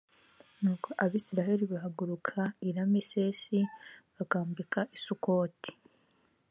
nuko abisirayeli bahaguruka i ramesesi g bakambika i sukoti